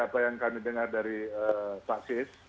apa yang kami dengar dari pak sis